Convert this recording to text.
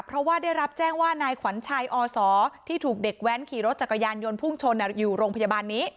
เพราะว่าได้รับแจ้งว่านายขวัญชัยอศที่ถูกเด็กแว้นขี่รถจักรยานยนต์พุ่งชนอยู่โรงพยาบาลนี้